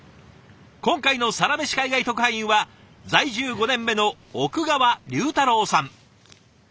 今回のサラメシ海外特派員は在住５年目の奥川龍太郎さん。